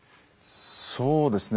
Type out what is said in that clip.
そうですね